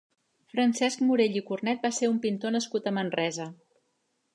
Francesc Morell i Cornet va ser un pintor nascut a Manresa.